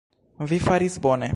Vi faris bone.